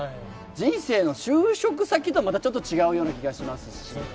人生の就職先とは、またちょっと違うような気がしますし。